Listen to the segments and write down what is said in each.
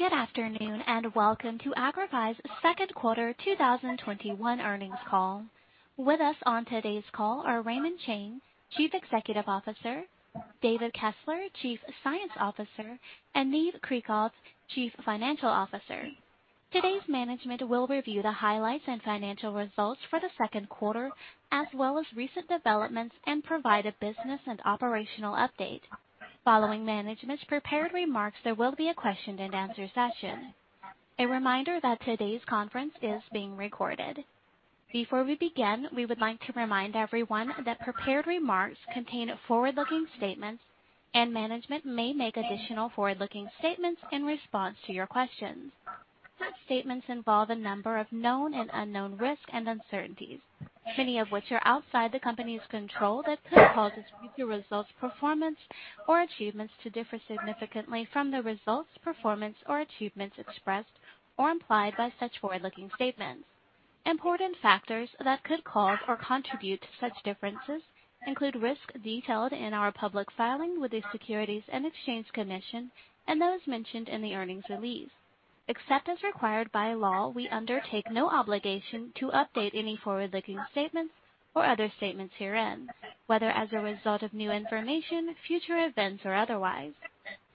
Good afternoon, and welcome to Agrify's Q2 2021 earnings call. With us on today's call are Raymond Chang, Chief Executive Officer, David Kessler, Chief Science Officer, and Niv Krikov, Chief Financial Officer. Today's management will review the highlights and financial results for the Q2, as well as recent developments and provide a business and operational update. Following management's prepared remarks, there will be a question and answer session. A reminder that today's conference is being recorded. Before we begin, we would like to remind everyone that prepared remarks contain forward-looking statements, and management may make additional forward-looking statements in response to your questions. Such statements involve a number of known and unknown risks and uncertainties, many of which are outside the company's control, that could cause its future results, performance, or achievements to differ significantly from the results, performance, or achievements expressed or implied by such forward-looking statements. Important factors that could cause or contribute to such differences include risks detailed in our public filing with the Securities and Exchange Commission and those mentioned in the earnings release. Except as required by law, we undertake no obligation to update any forward-looking statements or other statements herein, whether as a result of new information, future events, or otherwise.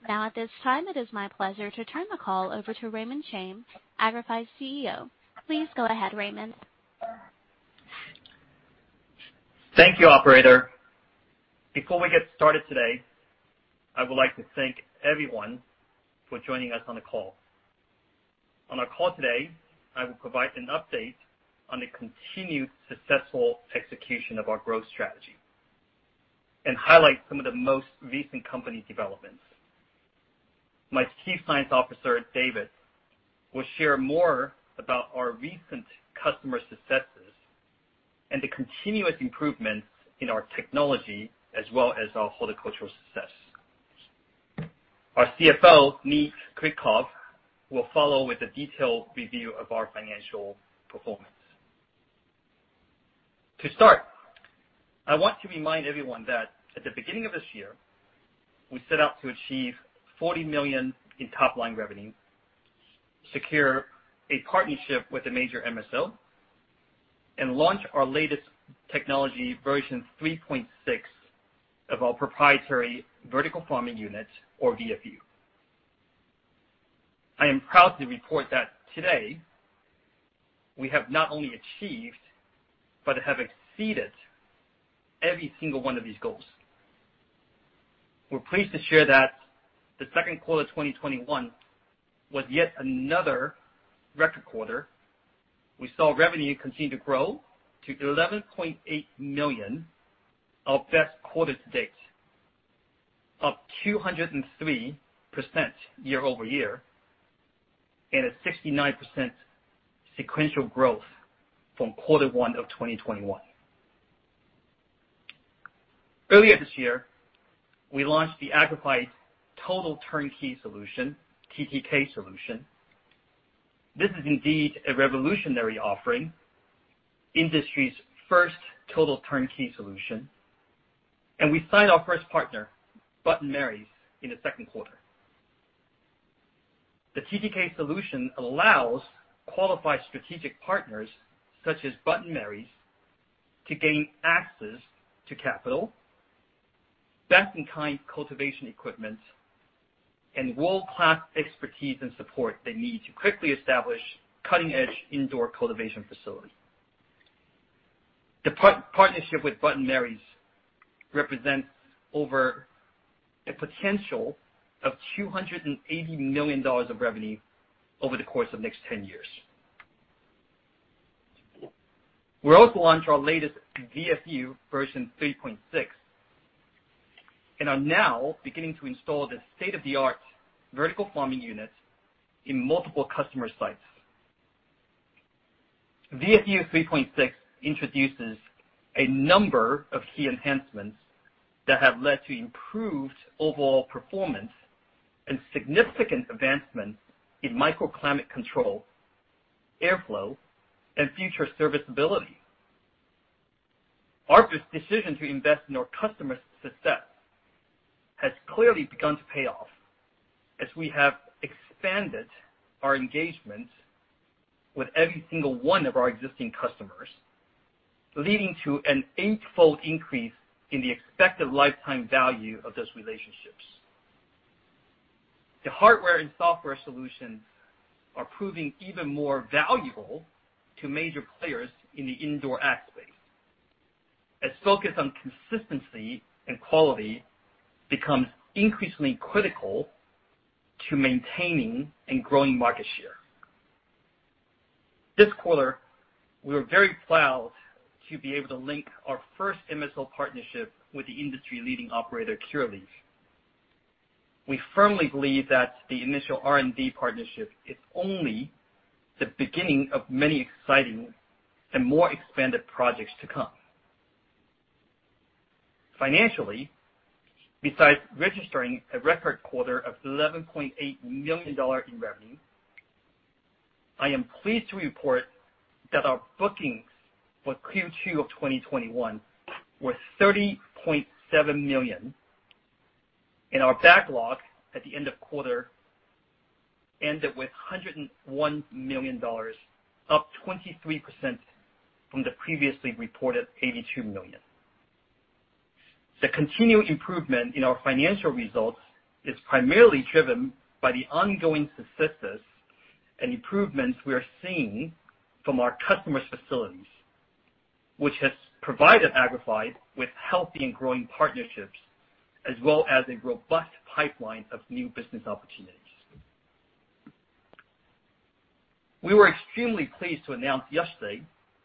At this time, it is my pleasure to turn the call over to Raymond Chang, Agrify's CEO. Please go ahead, Raymond. Thank you, operator. Before we get started today, I would like to thank everyone for joining us on the call. On our call today, I will provide an update on the continued successful execution of our growth strategy and highlight some of the most recent company developments. My Chief Science Officer, David Kessler, will share more about our recent customer successes and the continuous improvements in our technology, as well as our horticultural success. Our CFO, Niv Krikov, will follow with a detailed review of our financial performance. To start, I want to remind everyone that at the beginning of this year, we set out to achieve $40 million in top-line revenue, secure a partnership with a major MSO, and launch our latest technology, version 3.6 of our proprietary Vertical Farming Unit, or VFU. I am proud to report that today, we have not only achieved but have exceeded every single one of these goals. We're pleased to share that the Q2 2021 was yet another record quarter. We saw revenue continue to grow to $11.8 million, our best quarter to date, up 203% year-over-year and a 69% sequential growth from Q1 of 2021. Earlier this year, we launched the Agrify Total Turnkey Solution, TTK Solution. This is indeed a revolutionary offering, industry's first Total Turnkey Solution, and we signed our first partner, Bud & Mary's, in the Q2. The TTK Solution allows qualified strategic partners, such as Bud & Mary's, to gain access to capital, best-in-kind cultivation equipment, and world-class expertise and support they need to quickly establish cutting-edge indoor cultivation facilities. The partnership with Bud & Mary's represents over a potential of $280 million of revenue over the course of the next 10 years. We also launched our latest VFU 3.6 and are now beginning to install the state-of-the-art Vertical Farming Units in multiple customer sites. VFU 3.6 introduces a number of key enhancements that have led to improved overall performance and significant advancements in microclimate control, airflow, and future serviceability. Our decision to invest in our customers' success has clearly begun to pay off as we have expanded our engagements with every single one of our existing customers, leading to an eight-fold increase in the expected lifetime value of those relationships. The hardware and software solutions are proving even more valuable to major players in the indoor ag space as focus on consistency and quality becomes increasingly critical to maintaining and growing market share. This quarter, we were very proud to be able to link our first MSO partnership with the industry-leading operator, Curaleaf. We firmly believe that the initial R&D partnership is only the beginning of many exciting and more expanded projects to come. Financially, besides registering a record quarter of $11.8 million in revenue, I am pleased to report that our bookings for Q2 of 2021 were $30.7 million, and our backlog at the end of quarter ended with $101 million, up 23% from the previously reported $82 million. The continued improvement in our financial results is primarily driven by the ongoing successes and improvements we are seeing from our customers' facilities, which has provided Agrify with healthy and growing partnerships, as well as a robust pipeline of new business opportunities. We were extremely pleased to announce yesterday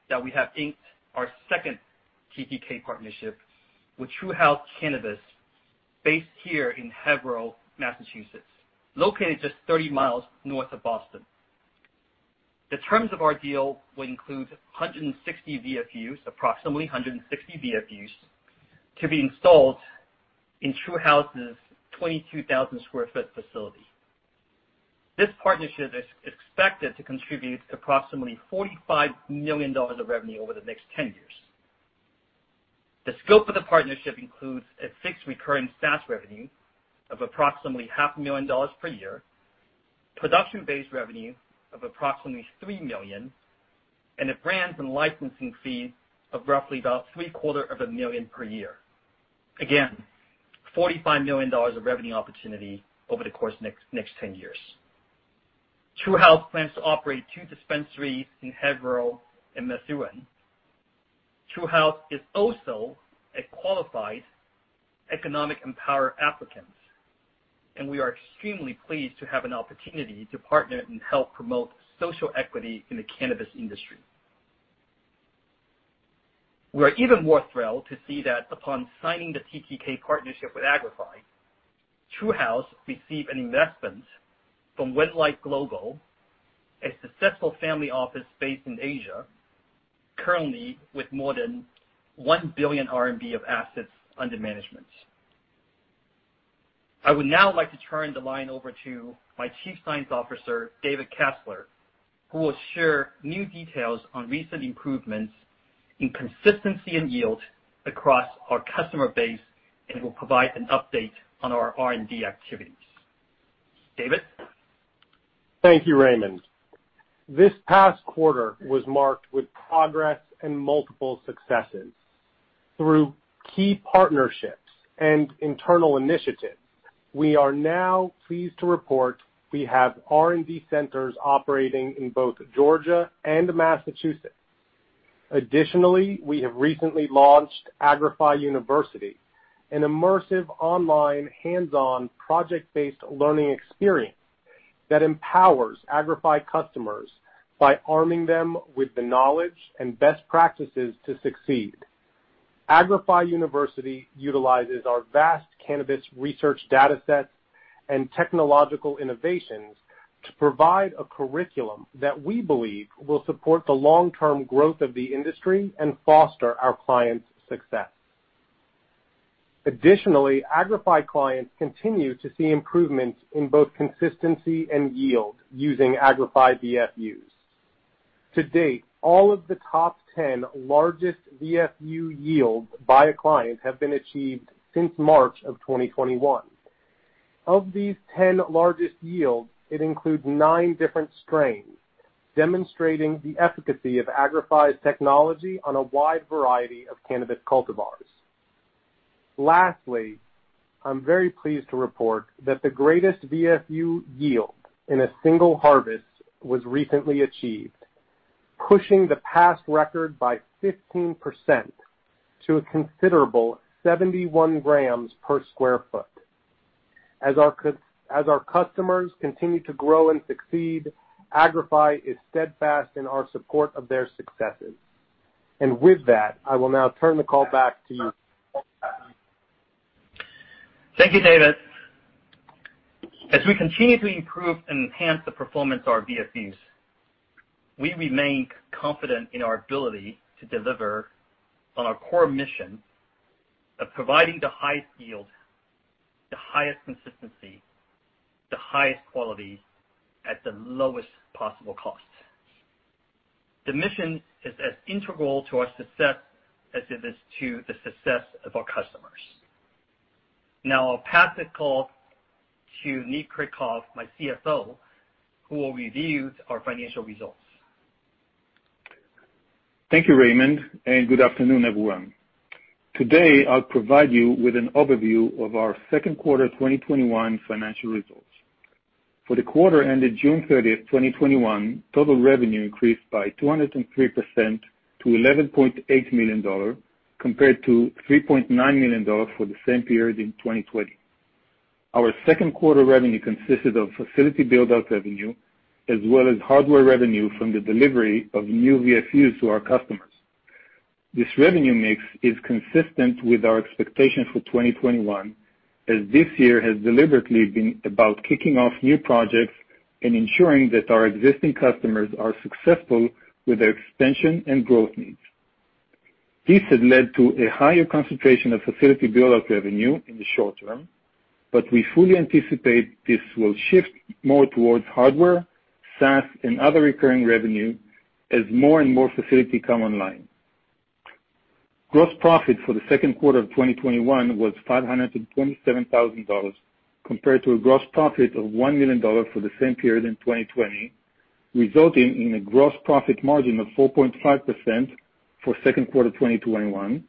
that we have inked our second TTK partnership with True House Cannabis, based here in Haverhill, Massachusetts, located just 30 miles north of Boston. The terms of our deal will include 160 VFUs, approximately 160 VFUs, to be installed in True House's 22,000 sq ft facility. This partnership is expected to contribute approximately $45 million of revenue over the next 10 years. The scope of the partnership includes a fixed recurring SaaS revenue of approximately $500,000 per year, production-based revenue of approximately $3 million, and a brands and licensing fee of roughly about 3/4 of a million per year. $45 million of revenue opportunity over the course of the next 10 years. True House plans to operate two dispensaries in Haverhill and Methuen. True House is also a qualified economic empower applicant. We are extremely pleased to have an opportunity to partner and help promote social equity in the cannabis industry. We are even more thrilled to see that upon signing the TTK partnership with Agrify, True House received an investment from Redite Global, a successful family office based in Asia, currently with more than 1 billion RMB of assets under management. I would now like to turn the line over to my Chief Science Officer, David Kessler, who will share new details on recent improvements in consistency and yield across our customer base and will provide an update on our R&D activities. David? Thank you, Raymond. This past quarter was marked with progress and multiple successes. Through key partnerships and internal initiatives, we are now pleased to report we have R&D centers operating in both Georgia and Massachusetts. Additionally, we have recently launched Agrify University, an immersive online, hands-on, project-based learning experience that empowers Agrify customers by arming them with the knowledge and best practices to succeed. Agrify University utilizes our vast cannabis research data sets and technological innovations to provide a curriculum that we believe will support the long-term growth of the industry and foster our clients' success. Additionally, Agrify clients continue to see improvements in both consistency and yield using Agrify VFUs. To date, all of the top 10 largest VFU yields by a client have been achieved since March of 2021. Of these 10 largest yields, it includes nine different strains, demonstrating the efficacy of Agrify's technology on a wide variety of cannabis cultivars. Lastly, I'm very pleased to report that the greatest VFU yield in a single harvest was recently achieved, pushing the past record by 15% to a considerable 71 g per square foot. As our customers continue to grow and succeed, Agrify is steadfast in our support of their successes. With that, I will now turn the call back to you, Raymond. Thank you, David. As we continue to improve and enhance the performance of our VFUs, we remain confident in our ability to deliver on our core mission of providing the highest yield, the highest consistency, the highest quality, at the lowest possible cost. The mission is as integral to our success as it is to the success of our customers. I'll pass the call to Niv Krikov, my CFO, who will review our financial results. Thank you, Raymond, and good afternoon, everyone. Today, I'll provide you with an overview of our Q2 2021 financial results. For the quarter ended June 30th, 2021, total revenue increased by 203% to $11.8 million, compared to $3.9 million for the same period in 2020. Our Q2 revenue consisted of facility build-out revenue, as well as hardware revenue from the delivery of new VFUs to our customers. This revenue mix is consistent with our expectations for 2021, as this year has deliberately been about kicking off new projects and ensuring that our existing customers are successful with their expansion and growth needs. This had led to a higher concentration of facility build-out revenue in the short term, but we fully anticipate this will shift more towards hardware, SaaS, and other recurring revenue as more and more facility come online. Gross profit for the Q2 of 2021 was $527,000, compared to a gross profit of $1 million for the same period in 2020, resulting in a gross profit margin of 4.5% for Q2 2021,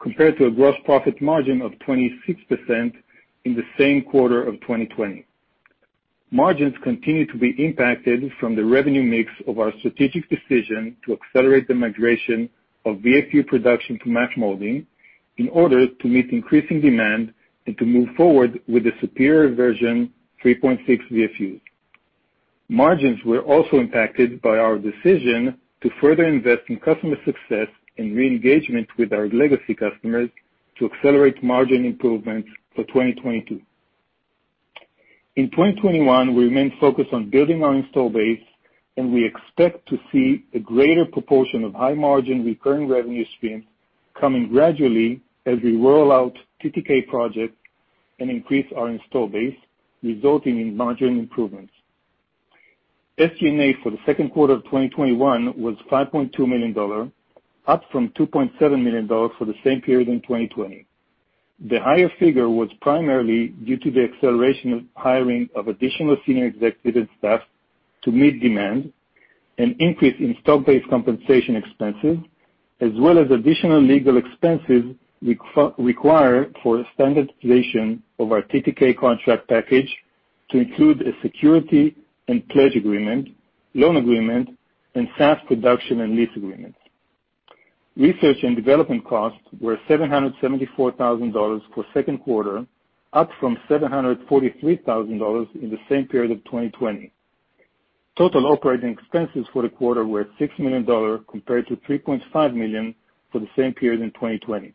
compared to a gross profit margin of 26% in the same quarter of 2020. Margins continue to be impacted from the revenue mix of our strategic decision to accelerate the migration of VFU production to Mack Molding in order to meet increasing demand and to move forward with the superior version 3.6 VFUs. Margins were also impacted by our decision to further invest in customer success and re-engagement with our legacy customers to accelerate margin improvements for 2022. In 2021, we remained focused on building our install base. We expect to see a greater proportion of high-margin, recurring revenue streams coming gradually as we roll out TTK projects and increase our install base, resulting in margin improvements. SG&A for the Q2 of 2021 was $5.2 million, up from $2.7 million for the same period in 2020. The higher figure was primarily due to the acceleration of hiring of additional senior executive staff to meet demand, an increase in stock-based compensation expenses, as well as additional legal expenses required for standardization of our TTK contract package to include a security and pledge agreement, loan agreement, and SaaS production and lease agreements. Research and development costs were $774,000 for Q2, up from $743,000 in the same period of 2020. Total operating expenses for the quarter were $6 million compared to $3.5 million for the same period in 2020.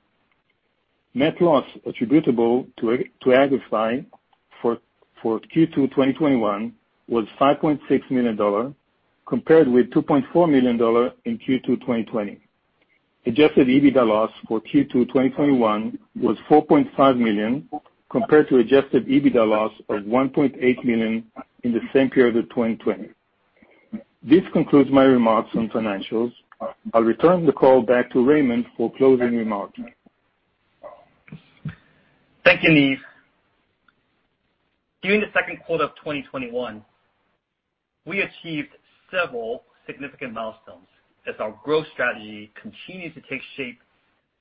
Net loss attributable to Agrify for Q2 2021 was $5.6 million, compared with $2.4 million in Q2 2020. Adjusted EBITDA loss for Q2 2021 was $4.5 million, compared to adjusted EBITDA loss of $1.8 million in the same period of 2020. This concludes my remarks on financials. I'll return the call back to Raymond for closing remarks. Thank you, Niv. During the Q2 of 2021, we achieved several significant milestones as our growth strategy continues to take shape,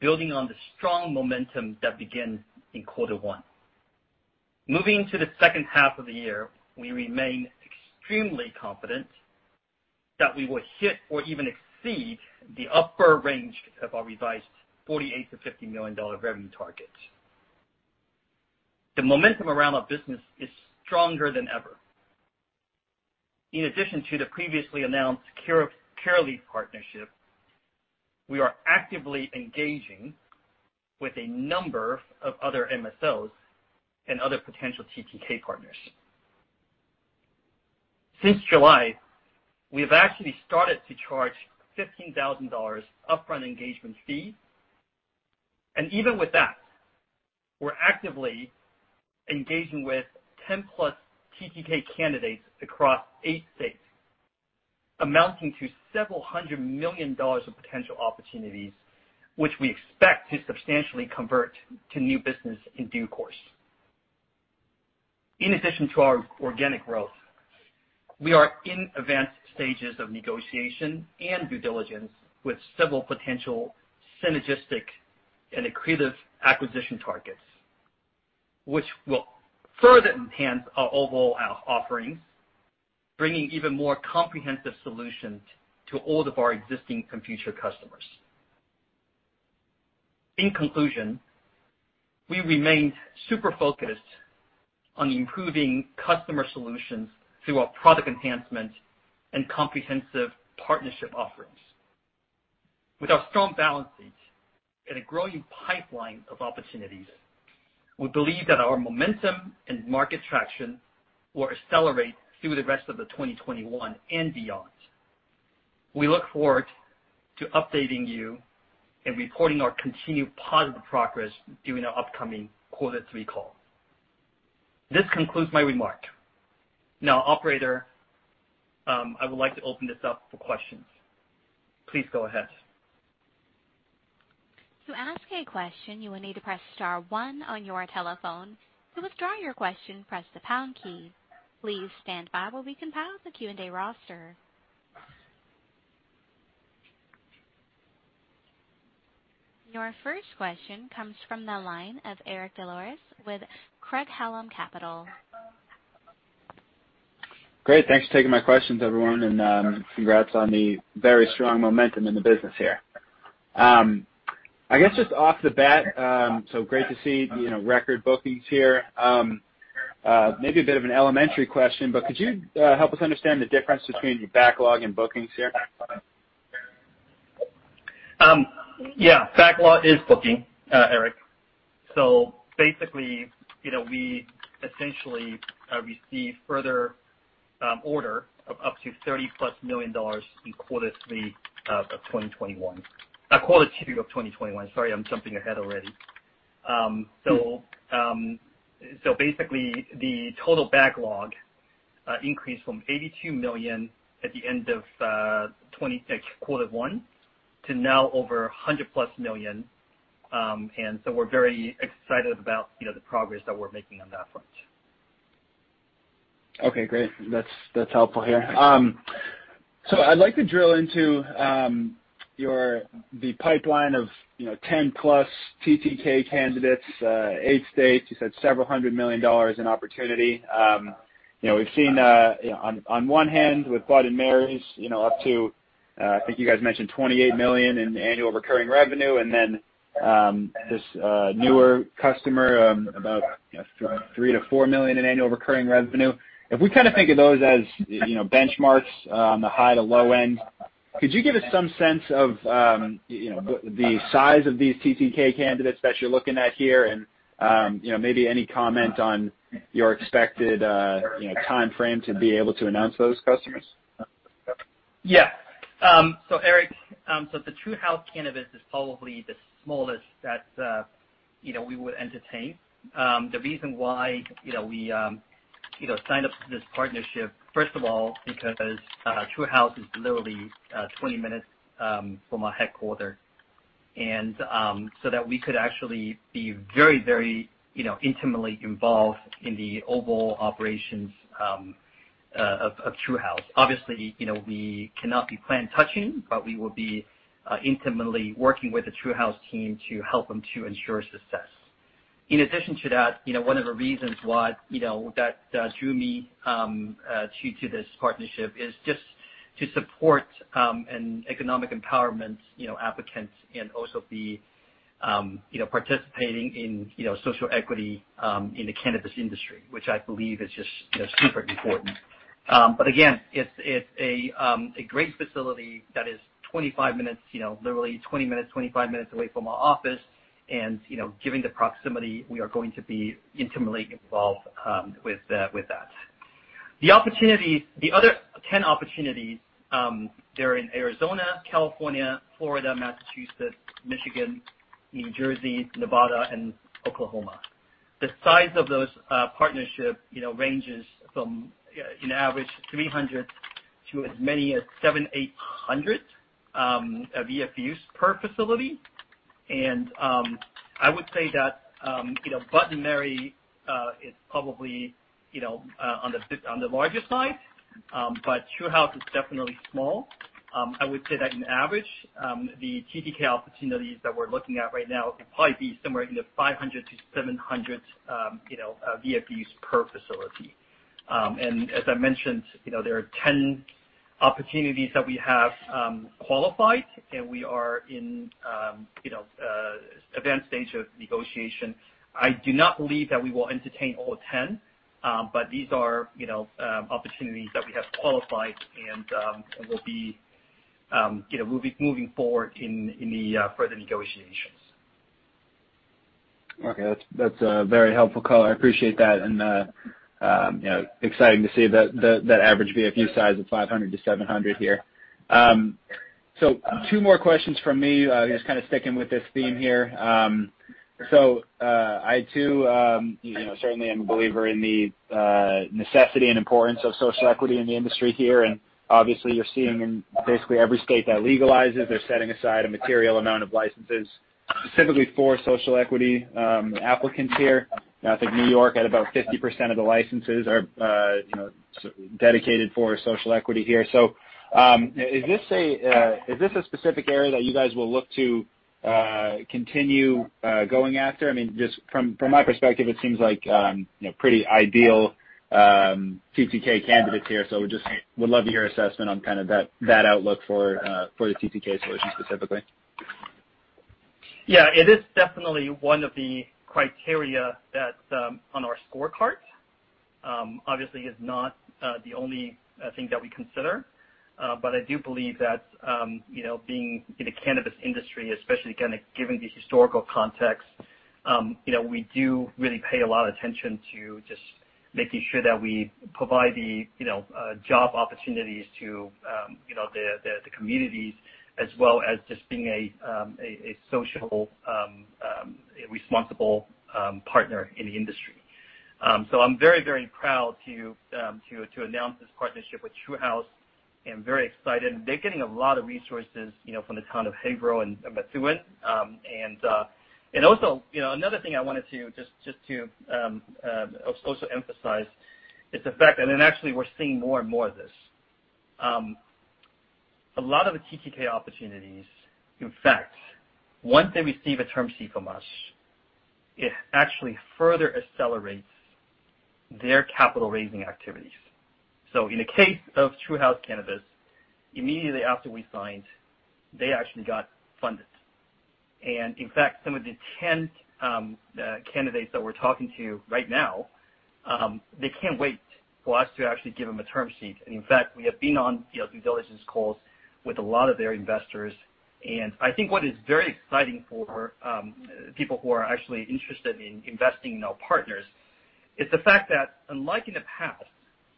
building on the strong momentum that began in Q1. Moving to the H2 of the year, we remain extremely confident that we will hit or even exceed the upper range of our revised $48 million-$50 million revenue targets. The momentum around our business is stronger than ever. In addition to the previously announced Curaleaf partnership, we are actively engaging with a number of other MSO and other potential TTK partners. Since July, we've actually started to charge $15,000 upfront engagement fee, and even with that, we're actively engaging with 10+ TTK candidates across eight states, amounting to several hundred million dollars of potential opportunities, which we expect to substantially convert to new business in due course. In addition to our organic growth, we are in advanced stages of negotiation and due diligence with several potential synergistic and accretive acquisition targets, which will further enhance our overall offerings, bringing even more comprehensive solutions to all of our existing and future customers. In conclusion, we remained super focused on improving customer solutions through our product enhancements and comprehensive partnership offerings. With our strong balance sheet and a growing pipeline of opportunities, we believe that our momentum and market traction will accelerate through the rest of 2021 and beyond. We look forward to updating you and reporting our continued positive progress during our upcoming Q3 call. This concludes my remark. Now, Operator, I would like to open this up for questions. Please go ahead. To ask a question, you will need to press star one on your telephone. To withdraw your question, press the pound key. Please stand by as we compile the Q&A roster. Your first question comes from the line of Eric Des Lauriers with Craig-Hallum Capital. Great. Thanks for taking my questions, everyone, and congrats on the very strong momentum in the business here. I guess just off the bat, great to see record bookings here. Maybe a bit of an elementary question, could you help us understand the difference between your backlog and bookings here? Yeah. Backlog is booking, Eric. Basically, we essentially received further order of up to $30+ million in Q2 of 2021. Sorry, I'm jumping ahead already. Basically, the total backlog increased from $82 million at the end of Q1 to now over $100+ million. We're very excited about the progress that we're making on that front. Okay, great. That's helpful here. I'd like to drill into the pipeline of 10+ TTK candidates, eight states. You said several hundred million dollars in opportunity. We've seen, on one hand, with Bud & Mary's, up to, I think you guys mentioned $28 million in annual recurring revenue, and then this newer customer about $3 million-$4 million in annual recurring revenue. If we think of those as benchmarks on the high to low end, could you give us some sense of the size of these TTK candidates that you're looking at here, and maybe any comment on your expected timeframe to be able to announce those customers? Yeah. Eric, so the True House Cannabis is probably the smallest that we would entertain. The reason why we signed up to this partnership, first of all, because True House is literally 20 minutes from our headquarters, and so that we could actually be very intimately involved in the overall operations of True House. Obviously, we cannot be plant touching, but we will be intimately working with the True House team to help them to ensure success. In addition to that, one of the reasons that drew me to this partnership is just to support an economic empowerment applicants, and also be participating in social equity in the cannabis industry, which I believe is just super important. Again, it's a great facility that is 25 minutes, literally 20 minutes, 25 minutes away from our office, and given the proximity, we are going to be intimately involved with that. The other 10 opportunities, they're in Arizona, California, Florida, Massachusetts, Michigan, New Jersey, Nevada, and Oklahoma. The size of those partnership ranges from an average 300 to as many as 700, 800 VFUs per facility. I would say that Bud & Mary's is probably on the larger side. True House is definitely small. I would say that in average, the TTK opportunities that we're looking at right now will probably be somewhere in the 500-700 VFUs per facility. As I mentioned, there are 10 opportunities that we have qualified, and we are in advanced stage of negotiation. I do not believe that we will entertain all 10, but these are opportunities that we have qualified and we'll be moving forward in the further negotiations. Okay. That's very helpful, color. I appreciate that. Exciting to see that average VFU size of 500-700 here. Two more questions from me, just kind of sticking with this theme here. I too, certainly am a believer in the necessity and importance of social equity in the industry here. Obviously you're seeing in basically every state that legalizes, they're setting aside a material amount of licenses specifically for social equity applicants here. I think N.Y. had about 50% of the licenses are dedicated for social equity here. Is this a specific area that you guys will look to continue going after? I mean, just from my perspective, it seems like pretty ideal TTK candidates here. Would love your assessment on that outlook for the TTK solution specifically. Yeah. It is definitely one of the criteria that's on our scorecard. Obviously is not the only thing that we consider. I do believe that being in the cannabis industry, especially given the historical context, we do really pay a lot attention to just making sure that we provide the job opportunities to the communities, as well as just being a social responsible partner in the industry. I'm very proud to announce this partnership with True House, and very excited. They're getting a lot of resources from the town of Haverhill and Methuen. Another thing I wanted just to also emphasize is the fact that, and actually we're seeing more and more of this. A lot of the TTK opportunities, in fact, once they receive a term sheet from us, it actually further accelerates their capital-raising activities. In the case of True House Cannabis, immediately after we signed, they actually got funded. In fact, some of the 10 candidates that we're talking to right now, they can't wait for us to actually give them a term sheet. In fact, we have been on due diligence calls with a lot of their investors, and I think what is very exciting for people who are actually interested in investing in our partners is the fact that unlike in the past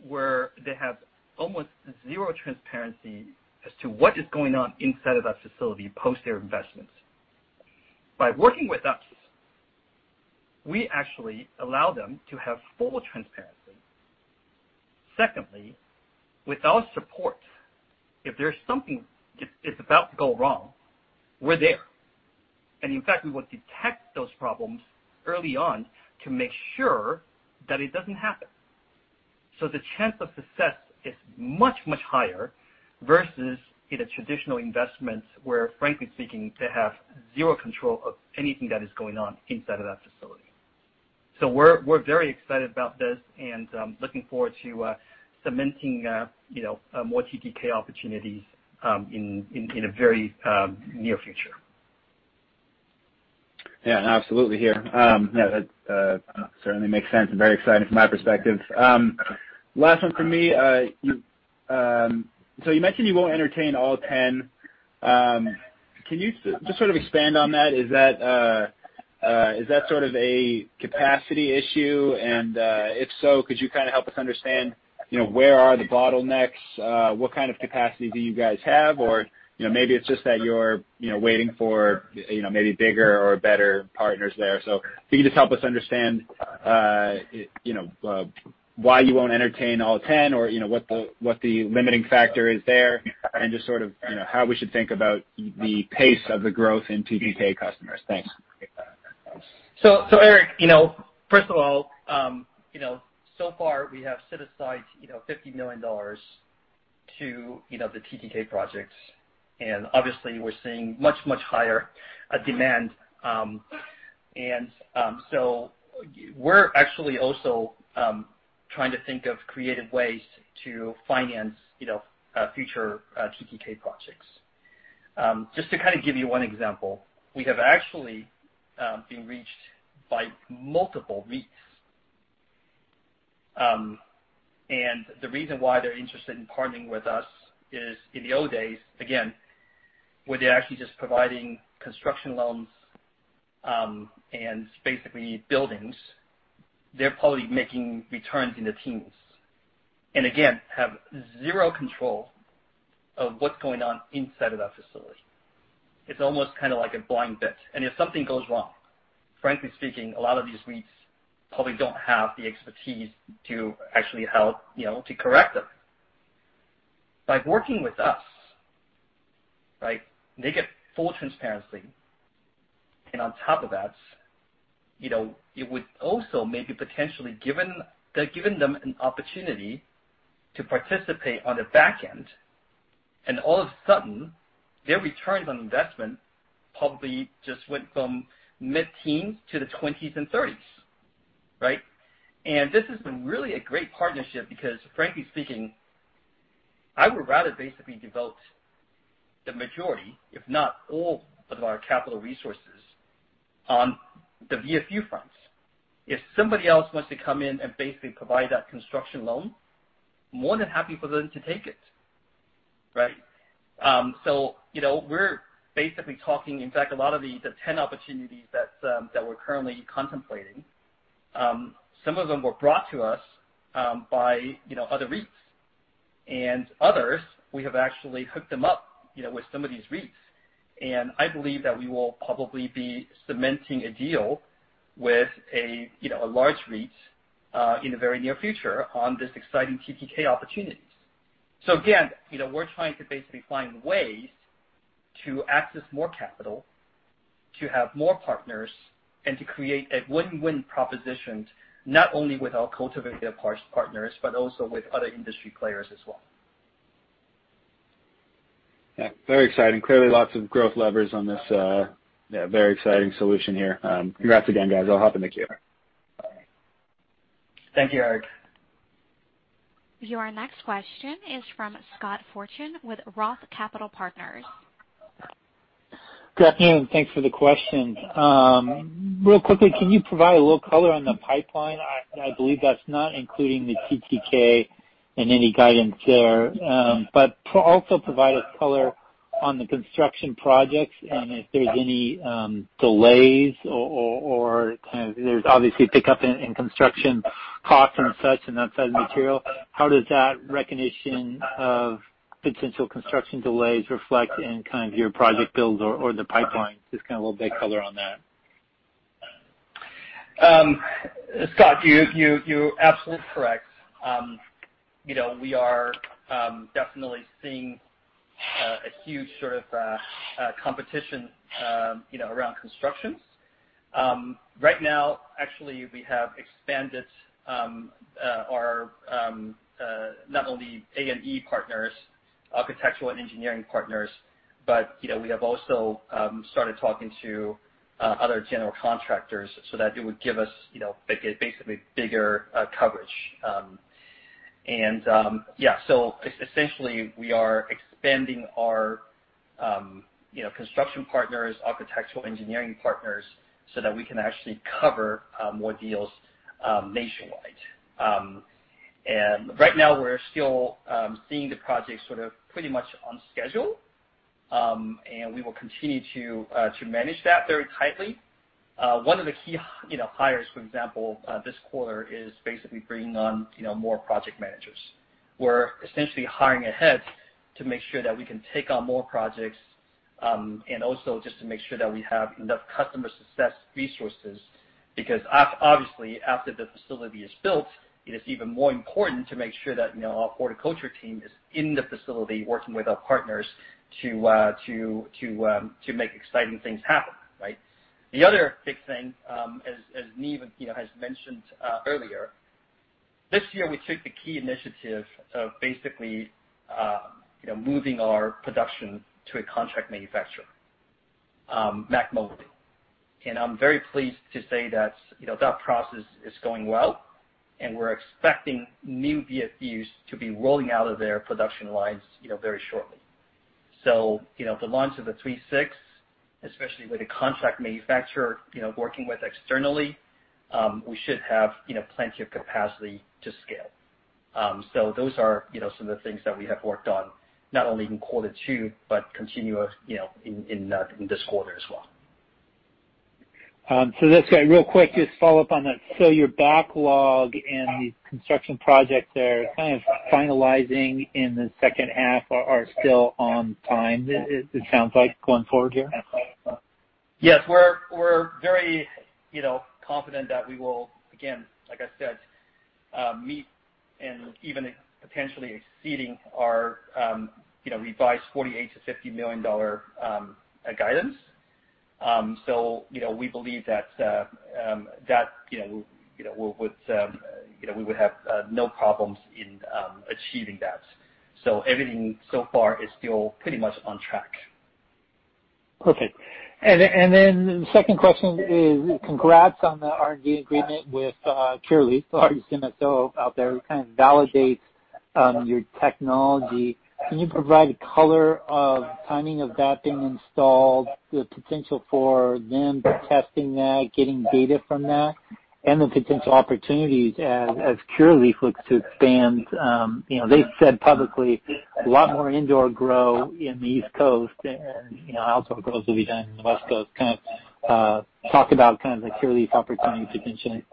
where they have almost zero transparency as to what is going on inside of that facility post their investments, by working with us, we actually allow them to have full transparency. Secondly, with our support, if there's something that is about to go wrong, we're there. In fact, we will detect those problems early on to make sure that it doesn't happen. The chance of success is much, much higher versus in a traditional investment where, frankly speaking, they have zero control of anything that is going on inside of that facility. We're very excited about this and looking forward to cementing more TTK opportunities in a very near future. Yeah, absolutely here. That certainly makes sense and very exciting from my perspective. Last one from me. You mentioned you won't entertain all 10. Can you just sort of expand on that? Is that sort of a capacity issue? If so, could you kind of help us understand where are the bottlenecks? What kind of capacity do you guys have? Maybe it's just that you're waiting for maybe bigger or better partners there. If you could just help us understand why you won't entertain all 10 or what the limiting factor is there and just sort of how we should think about the pace of the growth in TTK customers. Thanks. Eric, first of all, so far we have set aside $50 million to the TTK projects, and obviously we're seeing much, much higher demand. We're actually also trying to think of creative ways to finance future TTK projects. Just to kind of give you one example, we have actually been reached by multiple REITs. The reason why they're interested in partnering with us is in the old days, again, where they're actually just providing construction loans, and basically buildings, they're probably making returns in the teens. Again, have zero control of what's going on inside of that facility. It's almost kind of like a blind bit. If something goes wrong, frankly speaking, a lot of these REITs probably don't have the expertise to actually help to correct them. By working with us, they get full transparency. On top of that, it would also maybe potentially given them an opportunity to participate on the back end. All of a sudden, their returns on investment probably just went from mid-teens to the 20s and 30s. Right? This has been really a great partnership because frankly speaking, I would rather basically devote the majority, if not all of our capital resources on the VFU fronts. If somebody else wants to come in and basically provide that construction loan, more than happy for them to take it. Right? We're basically talking, in fact, a lot of these, the 10 opportunities that we're currently contemplating, some of them were brought to us by other REITs. Others, we have actually hooked them up with some of these REITs. I believe that we will probably be cementing a deal with a large REIT in the very near future on this exciting TTK opportunities. Again, we're trying to basically find ways to access more capital, to have more partners, and to create a win-win propositions, not only with our cultivator partners, but also with other industry players as well. Very exciting. Clearly, lots of growth levers on this. Very exciting solution here. Congrats again, guys. I'll hop in the queue. Bye. Thank you, Eric. Your next question is from Scott Fortune with Roth Capital Partners. Good afternoon. Thanks for the question. Real quickly, can you provide a little color on the pipeline? I believe that's not including the TTK and any guidance there. Also provide us color on the construction projects and if there's any delays or kind of, there's obviously a pickup in construction costs and such, and outside material. How does that recognition of potential construction delays reflect in kind of your project builds or the pipeline? Just kind of a little bit of color on that. Scott, you're absolutely correct. We are definitely seeing a huge sort of competition around constructions. Right now, actually, we have expanded our not only A&E partners, architectural and engineering partners, but we have also started talking to other general contractors so that it would give us basically bigger coverage. Yeah. Essentially, we are expanding our construction partners, architectural engineering partners, so that we can actually cover more deals nationwide. Right now, we're still seeing the project pretty much on schedule. We will continue to manage that very tightly. One of the key hires, for example, this quarter, is basically bringing on more project managers. We're essentially hiring ahead to make sure that we can take on more projects, and also just to make sure that we have enough customer success resources. Because obviously, after the facility is built, it is even more important to make sure that our horticulture team is in the facility working with our partners to make exciting things happen, right? The other big thing, as Niv Krikov has mentioned earlier, this year we took the key initiative of basically moving our production to a contract manufacturer, Mack Molding. I'm very pleased to say that that process is going well and we're expecting new VFUs to be rolling out of their production lines very shortly. The launch of the 3.6, especially with a contract manufacturer working with externally, we should have plenty of capacity to scale. Those are some of the things that we have worked on, not only in Q2, but continuous in this quarter as well. Let's get real quick, just follow up on that. Your backlog and the construction projects that are kind of finalizing in the H2 are still on time, it sounds like, going forward here? Yes. We're very confident that we will, again, like I said, meet and even potentially exceeding our revised $48 million-$50 million guidance. We believe that we would have no problems in achieving that. Everything so far is still pretty much on track. Perfect. Then the second question is congrats on the R&D agreement with Curaleaf, largest MSO out there, kind of validates your technology. Can you provide color of timing of that being installed, the potential for them testing that, getting data from that, and the potential opportunities as Curaleaf looks to expand? They said publicly, a lot more indoor grow in the East Coast and outdoor growth will be done in the West Coast. Kind of talk about the Curaleaf opportunity potentially.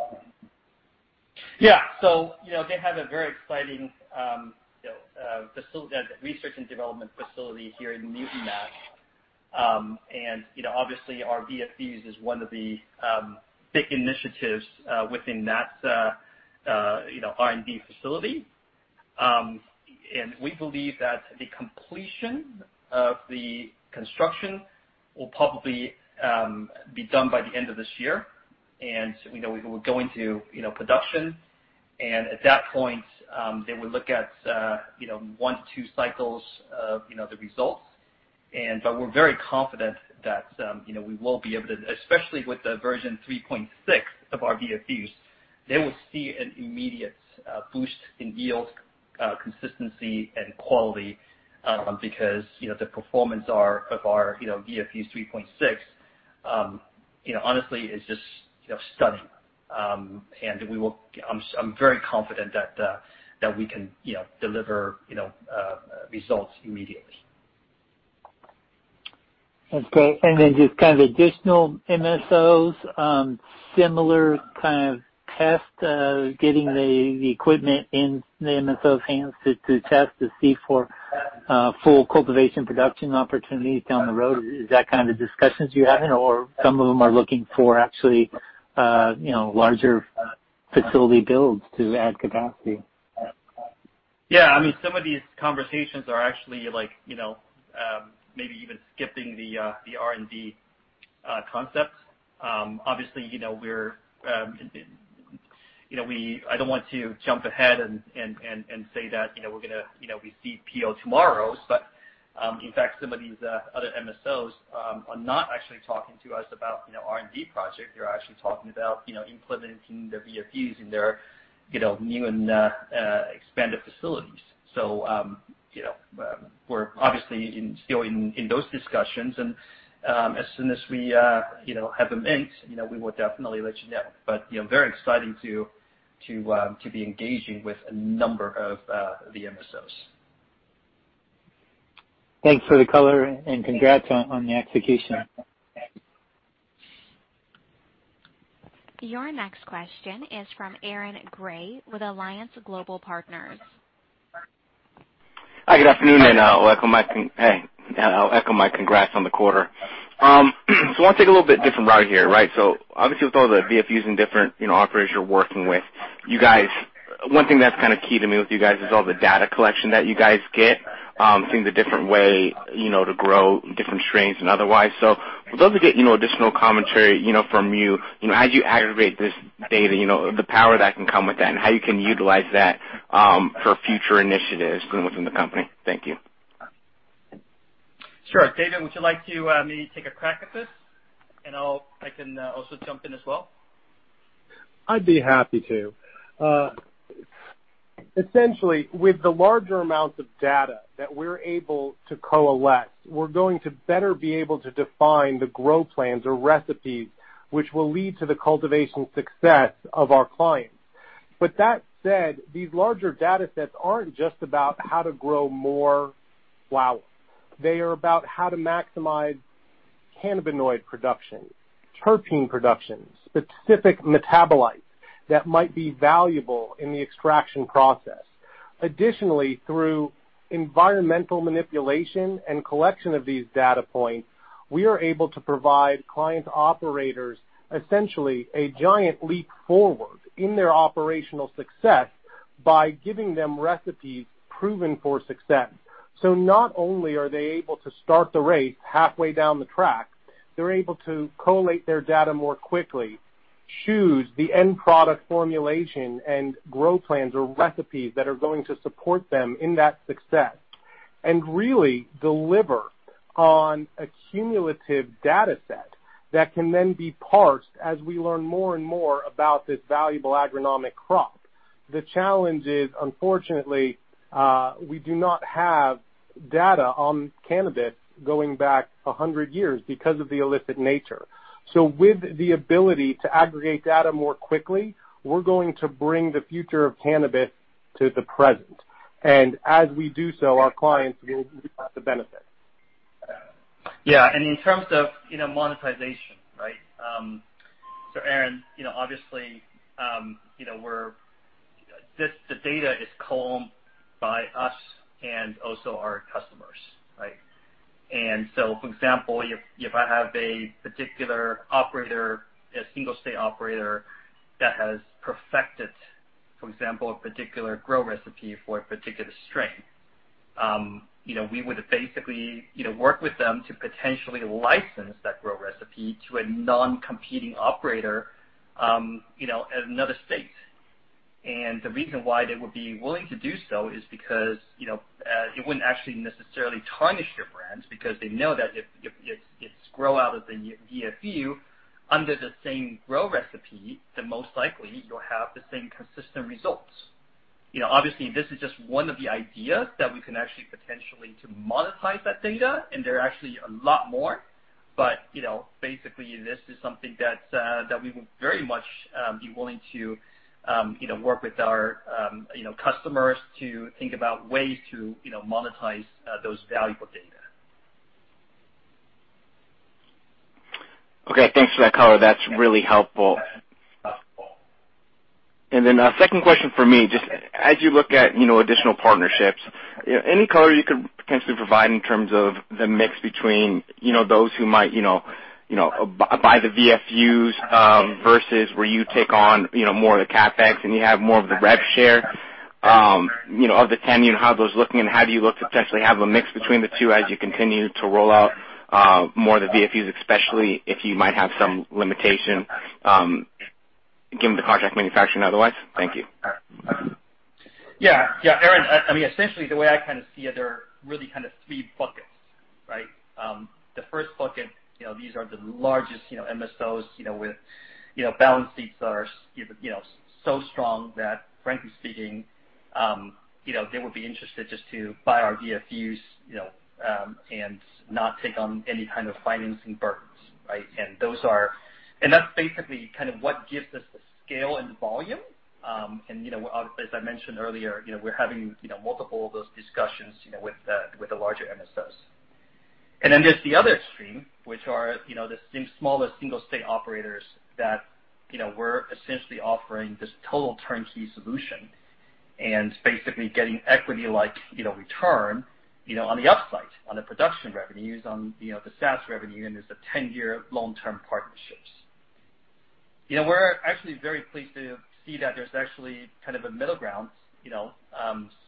They have a very exciting research and development facility here in Newton, Ma. Obviously our VFUs is one of the big initiatives within that R&D facility. We believe that the completion of the construction will probably be done by the end of this year. We will go into production and at that point, they will look at one to two cycles of the results. We're very confident that, we will be able to, especially with the VFU 3.6 of our VFUs, they will see an immediate boost in yield, consistency, and quality, because the performance of our VFU 3.6 honestly is just stunning. I'm very confident that we can deliver results immediately. Okay. just kind of additional MSOs, similar kind of test, getting the equipment in the MSO's hands to test to see for full cultivation production opportunities down the road. Is that kind of discussions you're having or some of them are looking for actually larger facility builds to add capacity? Some of these conversations are actually maybe even skipping the R&D concept. I don't want to jump ahead and say that we see PO tomorrow, but, in fact, some of these other MSOs are not actually talking to us about R&D project. They're actually talking about implementing their VFUs in their new and expanded facilities. We're obviously still in those discussions, and as soon as we have them inked, we will definitely let you know. Very exciting to be engaging with a number of the MSOs. Thanks for the color and congrats on the execution. Thanks. Your next question is from Aaron Grey with Alliance Global Partners. Hi, good afternoon. I'll echo my congrats on the quarter. I want to take a little bit different route here, right? Obviously with all the VFUs and different operators you're working with, one thing that's kind of key to me with you guys is all the data collection that you guys get, seeing the different way to grow different strains and otherwise. Would love to get additional commentary from you, as you aggregate this data, the power that can come with that and how you can utilize that for future initiatives within the company. Thank you. Sure. David, would you like to maybe take a crack at this? I can also jump in as well. I'd be happy to. Essentially, with the larger amounts of data that we're able to coalesce, we're going to better be able to define the growth plans or recipes which will lead to the cultivation success of our clients. That said, these larger data sets aren't just about how to grow more flowers. They are about how to maximize cannabinoid production, terpene production, specific metabolites that might be valuable in the extraction process. Additionally, through environmental manipulation and collection of these data points, we are able to provide client operators essentially a giant leap forward in their operational success by giving them recipes proven for success. Not only are they able to start the race halfway down the track, they're able to collate their data more quickly, choose the end product formulation and growth plans or recipes that are going to support them in that success, and really deliver on a cumulative data set that can then be parsed as we learn more and more about this valuable agronomic crop. The challenge is, unfortunately, we do not have data on cannabis going back 100 years because of the illicit nature. With the ability to aggregate data more quickly, we're going to bring the future of cannabis to the present. As we do so, our clients will be able to have the benefit. Yeah. In terms of monetization, right? Aaron Grey, obviously, the data is culled by us and also our customers, right? For example, if I have a particular operator, a single-state operator that has perfected, for example, a particular grow recipe for a particular strain, we would basically work with them to potentially license that grow recipe to a non-competing operator, at another state. The reason why they would be willing to do so is because, it wouldn't actually necessarily tarnish their brands because they know that if it's grown out of the VFU under the same grow recipe, then most likely you'll have the same consistent results. Obviously, this is just one of the ideas that we can actually potentially to monetize that data, and there are actually a lot more. Basically, this is something that we would very much be willing to work with our customers to think about ways to monetize those valuable data. Okay. Thanks for that color. That is really helpful. Then a second question from me, just as you look at additional partnerships, any color you could potentially provide in terms of the mix between those who might buy the VFUs, versus where you take on more of the CapEx and you have more of the rev share. Of the 10-year, how are those looking, and how do you look to potentially have a mix between the two as you continue to roll out more of the VFUs, especially if you might have some limitation given the contract manufacturing otherwise? Thank you. Yeah. Aaron, essentially the way I see it, there are really three buckets, right? The first bucket, these are the largest MSOs with balance sheets that are so strong that, frankly speaking, they would be interested just to buy our VFUs and not take on any kind of financing burdens, right? That's basically what gives us the scale and the volume. As I mentioned earlier, we're having multiple of those discussions with the larger MSOs. Then there's the other extreme, which are the smaller single-state operators that we're essentially offering this total turnkey solution and basically getting equity-like return on the upside, on the production revenues, on the SaaS revenue, and there's the 10-year long-term partnerships. We're actually very pleased to see that there's actually a middle ground,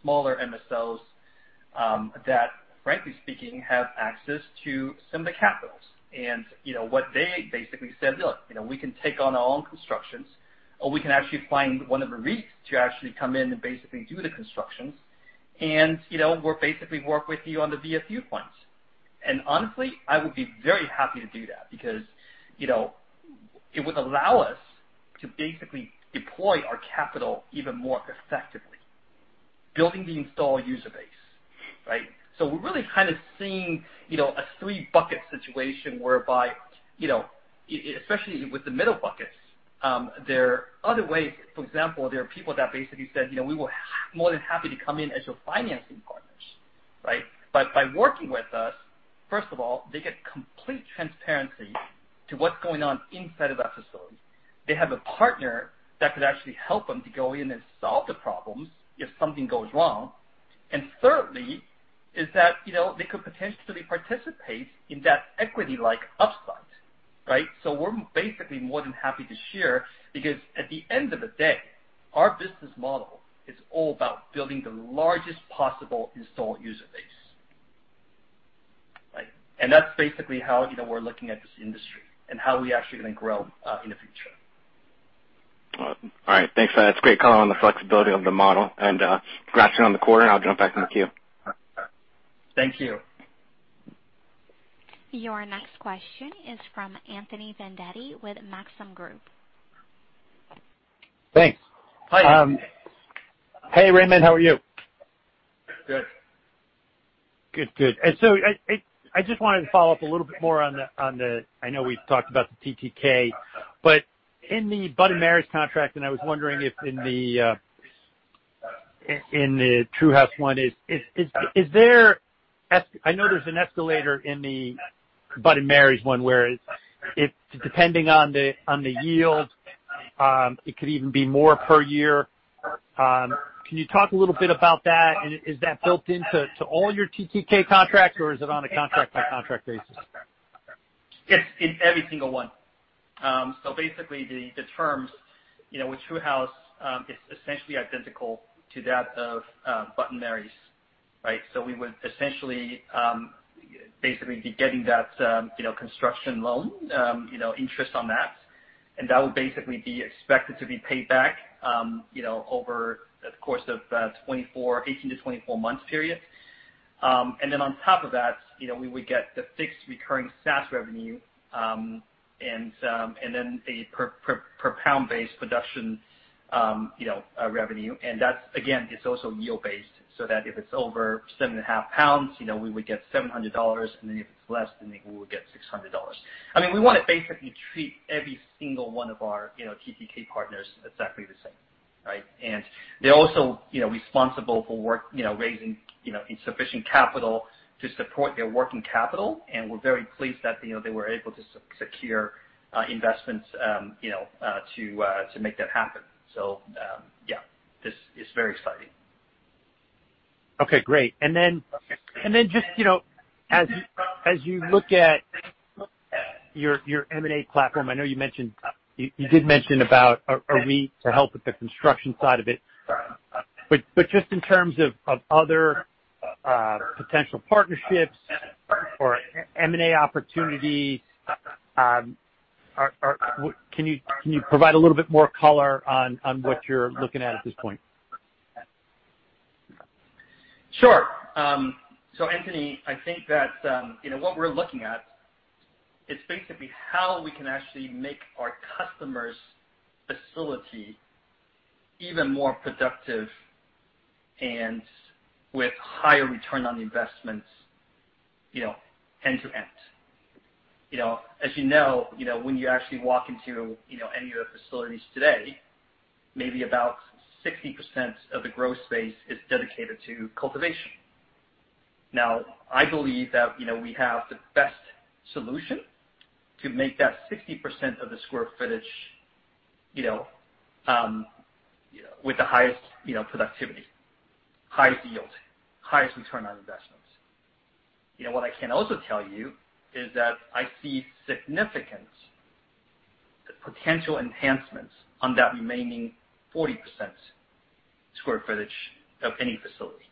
smaller MSOs that, frankly speaking, have access to some of the capital. What they basically said, "Look, we can take on our own constructions, or we can actually find one of the REITs to actually come in and basically do the constructions, and we'll basically work with you on the VFU points." Honestly, I would be very happy to do that because it would allow us to basically deploy our capital even more effectively, building the installed user base, right? We're really seeing a three-bucket situation whereby, especially with the middle buckets, there are other ways. For example, there are people that basically said, "We will be more than happy to come in as your financing partners," right? By working with us, first of all, they get complete transparency to what's going on inside of that facility. They have a partner that could actually help them to go in and solve the problems if something goes wrong. Thirdly, is that they could potentially participate in that equity-like upside, right? We're basically more than happy to share because at the end of the day, our business model is all about building the largest possible installed user base. Right. That's basically how we're looking at this industry and how we're actually going to grow, in the future. All right. Thanks. That's great color on the flexibility of the model and congrats on the quarter. I'll jump back in the queue. Thank you. Your next question is from Anthony Vendetti with Maxim Group. Thanks. Hi. Hey, Raymond. How are you? Good. Good. I just wanted to follow up a little bit more on the, I know we've talked about the TTK, but in the Bud & Mary's contract, I was wondering if in the True House one, I know there's an escalator in the Bud & Mary's one where depending on the yield, it could even be more per year. Can you talk a little bit about that? Is that built into all your TTK contracts or is it on a contract by contract basis? It's in every single one. Basically, the terms, with True House Cannabis, is essentially identical to that of Bud & Mary's. So we would essentially basically be getting that construction loan interest on that and that would basically be expected to be paid back over the course of 18-24 months period. Then on top of that, we would get the fixed recurring SaaS revenue, and then a per pound based production revenue. That's, again, it's also yield-based, so that if it's over 7.5 lbs, we would get $700, and then if it's less, then we would get $600. We want to basically treat every single one of our TTK partners exactly the same. Right? They're also responsible for raising insufficient capital to support their working capital. And we're very pleased that they were able to secure investments to make that happen. Yeah, it's very exciting. Okay, great. Just as you look at your M&A platform, I know you did mention about a REIT to help with the construction side of it. Just in terms of other potential partnerships or M&A opportunities, can you provide a little bit more color on what you're looking at at this point? Sure. Anthony, I think that what we're looking at, it's basically how we can actually make our customers' facility even more productive and with higher return on investments end-to-end. As you know, when you actually walk into any of the facilities today, maybe about 60% of the growth space is dedicated to cultivation. I believe that we have the best solution to make that 60% of the square footage with the highest productivity, highest yield, highest return on investments. What I can also tell you is that I see significant potential enhancements on that remaining 40% square footage of any facility.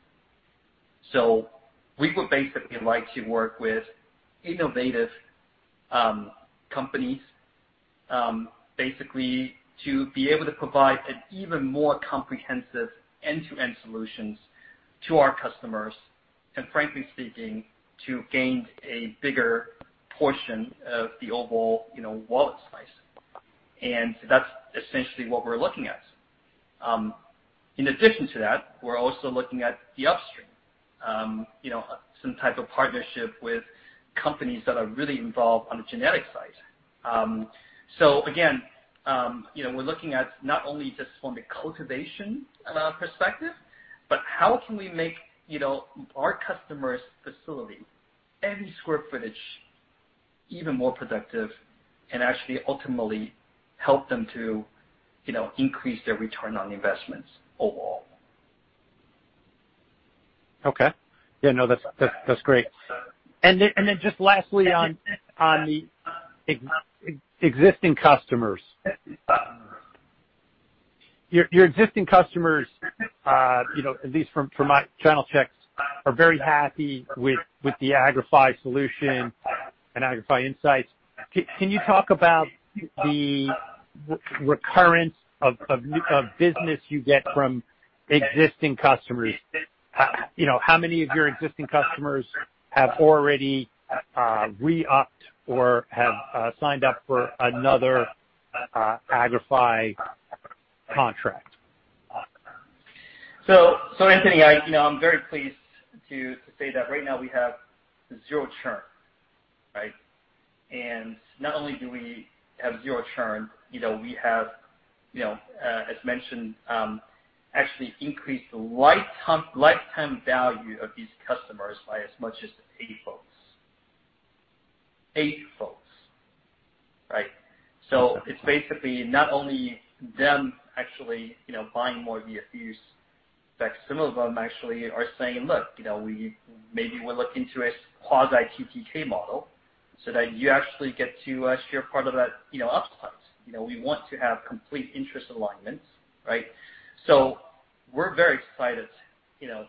We would basically like to work with innovative companies, basically to be able to provide an even more comprehensive end-to-end solutions to our customers. Frankly speaking, to gain a bigger portion of the overall wallet slice. That's essentially what we're looking at. In addition to that, we're also looking at the upstream. Some type of partnership with companies that are really involved on the genetic side. Again, we're looking at not only just from the cultivation perspective, but how can we make our customer's facility, every square footage, even more productive and actually ultimately help them to increase their return on investments overall. Okay. Yeah, no, that's great. Just lastly on the existing customers. Your existing customers, at least from my channel checks, are very happy with the Agrify solution and Agrify Insights. Can you talk about the recurrence of business you get from existing customers? How many of your existing customers have already re-upped or have signed up for another Agrify contract? Anthony, I'm very pleased to say that right now we have zero churn. Right? Not only do we have zero churn, we have as mentioned, actually increased the lifetime value of these customers by as much as eight-folds. Eight-folds. Right? It's basically not only them actually buying more via these specs. Some of them actually are saying, "Look, maybe we'll look into a quasi TTK model so that you actually get to share part of that upsides." We want to have complete interest alignment. Right? We're very excited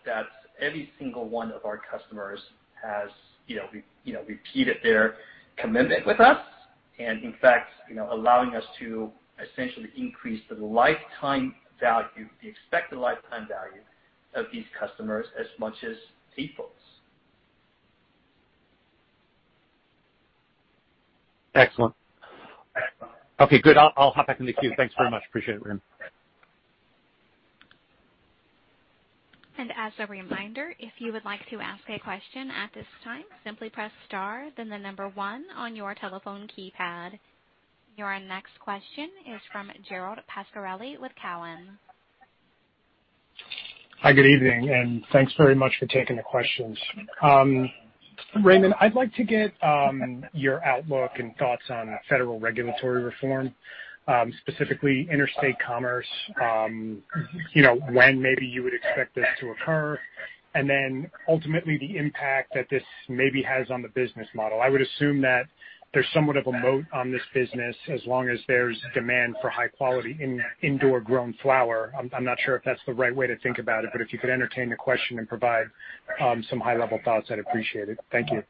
that every single one of our customers has repeated their commitment with us. In fact, allowing us to essentially increase the expected lifetime value of these customers as much as three-folds. Excellent. Okay, good. I'll hop back in the queue. Thanks very much. Appreciate it, Raymond. As a reminder, if you would like to ask a question at this time, simply press star then one on your telephone keypad. Your next question is from Gerald Pascarelli with Cowen. Hi. Good evening, and thanks very much for taking the questions. Raymond, I'd like to get your outlook and thoughts on federal regulatory reform, specifically interstate commerce, when maybe you would expect this to occur, and then ultimately the impact that this maybe has on the business model. I would assume that there's somewhat of a moat on this business as long as there's demand for high quality indoor grown flower. I'm not sure if that's the right way to think about it, but if you could entertain the question and provide some high-level thoughts, I'd appreciate it. Thank you.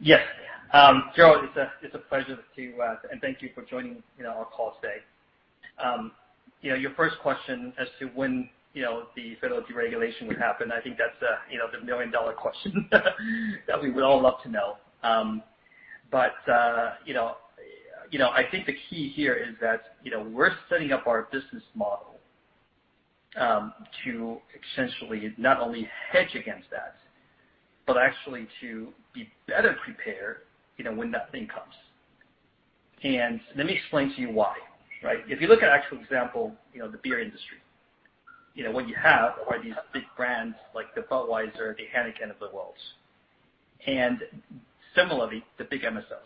Yes. Gerald, it is a pleasure to see you, and thank you for joining our call today. Your first question as to when the federal deregulation would happen, I think that is the million-dollar question that we would all love to know. I think the key here is that we are setting up our business model to essentially not only hedge against that, but actually to be better prepared when that thing comes. Let me explain to you why. If you look at actual example, the beer industry, what you have are these big brands like the Budweiser, the Heineken of the world, and similarly, the big MSOs.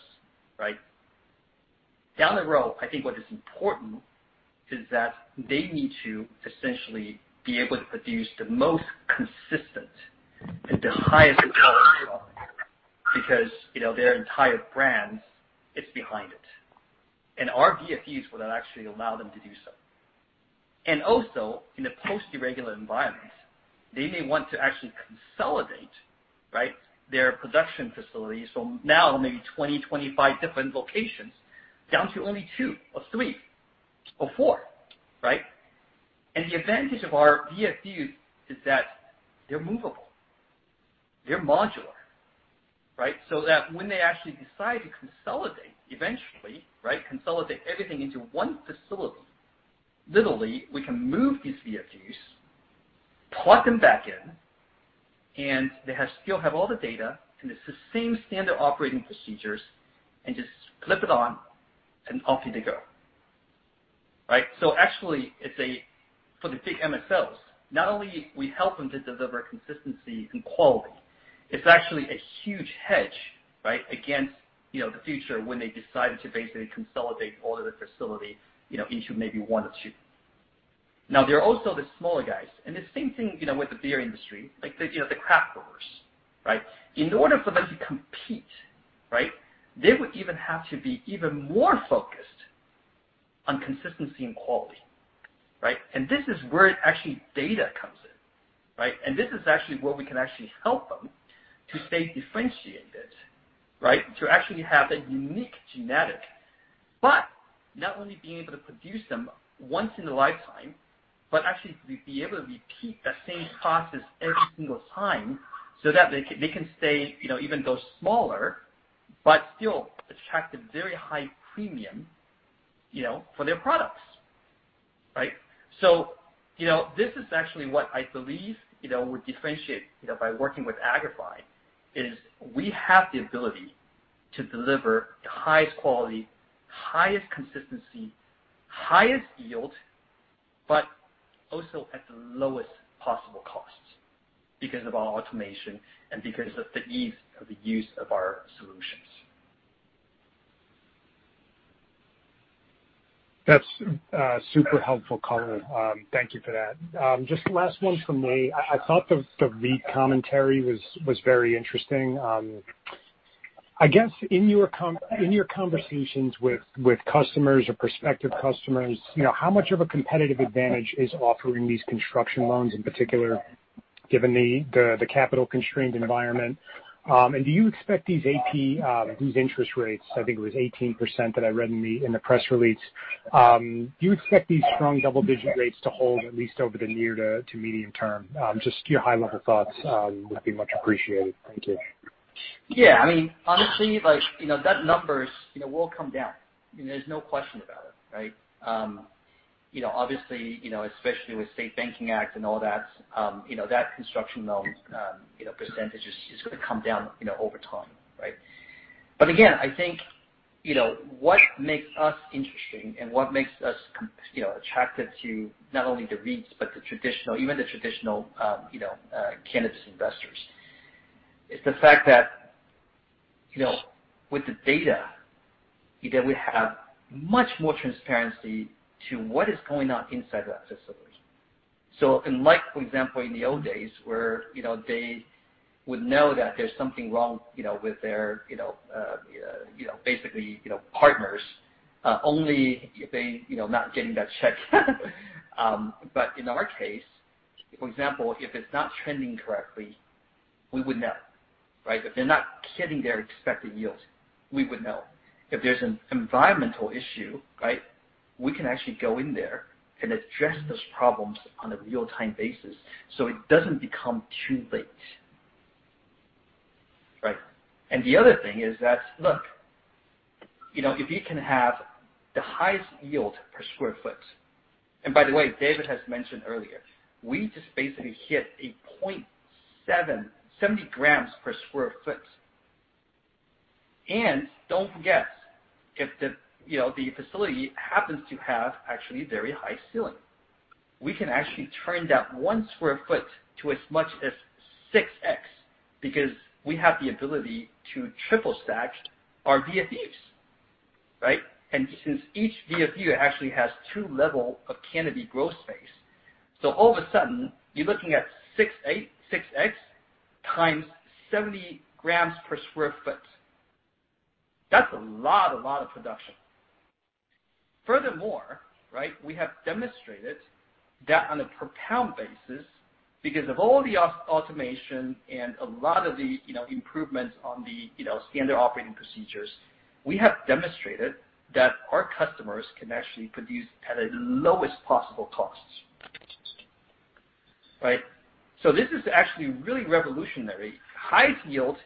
Down the road, I think what is important is that they need to essentially be able to produce the most consistent and the highest quality product because their entire brand is behind it. Our VFUs would actually allow them to do so. In a post-regulatory environment, they may want to actually consolidate their production facilities from maybe 20, 25 different locations down to only two or three or four. The advantage of our VFUs is that they're movable. They're modular. When they actually decide to consolidate eventually, consolidate everything into one facility, literally, we can move these VFUs, plug them back in, and they still have all the data, and it's the same standard operating procedures, and just clip it on and off they go. For the big MSOs, not only we help them to deliver consistency and quality, it's actually a huge hedge against the future when they decide to basically consolidate all of the facility into maybe one or two. There are also the smaller guys, and the same thing with the beer industry, like the craft brewers. In order for them to compete, they would even have to be even more focused on consistency and quality. This is where actually data comes in. This is actually where we can actually help them to stay differentiated. To actually have that unique genetic, but not only being able to produce them once in a lifetime, but actually be able to repeat that same process every single time so that they can stay, even though smaller, but still attract a very high premium for their products. This is actually what I believe would differentiate by working with Agrify, is we have the ability to deliver the highest quality, highest consistency, highest yield, but also at the lowest possible costs because of our automation and because of the ease of the use of our solutions. That's super helpful, color. Thank you for that. Just last one from me. I thought the REIT commentary was very interesting. I guess in your conversations with customers or prospective customers, how much of a competitive advantage is offering these construction loans, in particular, given the capital-constrained environment? Do you expect these interest rates, I think it was 18% that I read in the press release, do you expect these strong double-digit rates to hold at least over the near to medium term? Just your high-level thoughts would be much appreciated. Thank you. Yeah. Honestly, that numbers will come down. There's no question about it. Obviously, especially with SAFE Banking Act and all that construction loan percentage is going to come down over time. Again, I think what makes us interesting and what makes us attractive to not only the REITs, but even the traditional cannabis investors, is the fact that with the data, that we have much more transparency to what is going on inside that facility. Like for example, in the old days where they would know that there's something wrong with their basically partners, only if they not getting that check. In our case, for example, if it's not trending correctly, we would know, right? If they're not hitting their expected yields, we would know. If there's an environmental issue, right, we can actually go in there and address those problems on a real-time basis so it doesn't become too late. Right. The other thing is that, look, if you can have the highest yield per square foot. By the way, David Kessler has mentioned earlier, we just basically hit a 70 g per square foot. Don't forget, if the facility happens to have actually very high ceiling, we can actually turn that 1 sq ft to as much as 6x because we have the ability to triple stack our VFUs, right? Since each VFU actually has two level of canopy growth space, so all of a sudden you're looking at 6x 70 g per square foot. That's a lot of production. Furthermore, right, we have demonstrated that on a per pound basis because of all the automation and a lot of the improvements on the standard operating procedures, we have demonstrated that our customers can actually produce at the lowest possible costs. Right? This is actually really revolutionary. Highest yield,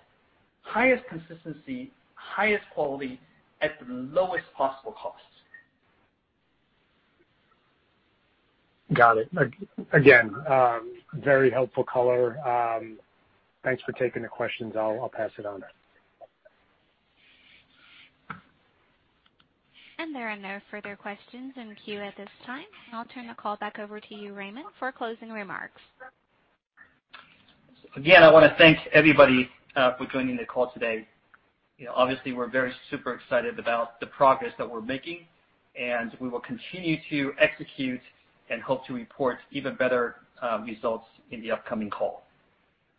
highest consistency, highest quality at the lowest possible cost. Got it. Again, very helpful color. Thanks for taking the questions. I'll pass it on. There are no further questions in queue at this time. I'll turn the call back over to you, Raymond, for closing remarks. Again, I want to thank everybody for joining the call today. Obviously, we're very super excited about the progress that we're making, and we will continue to execute and hope to report even better results in the upcoming call.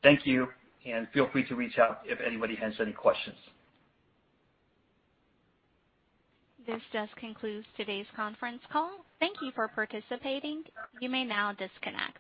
Thank you, and feel free to reach out if anybody has any questions. This just concludes today's conference call. Thank you for participating. You may now disconnect.